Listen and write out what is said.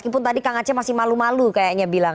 bang aceh masih malu malu kayaknya bilang